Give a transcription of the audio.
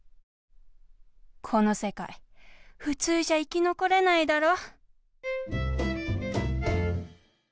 この世界ふつうじゃ生きのこれないだろ？